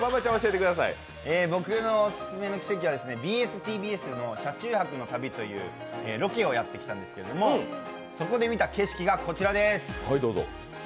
僕のオススメの奇跡は、ＢＳ−ＴＢＳの「車中泊の旅」というロケをやってきたんですけどそこで見た景色がこちらです。